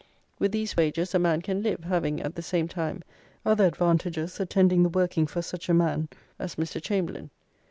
With these wages, a man can live, having, at the same time, other advantages attending the working for such a man as Mr. Chamberlayne.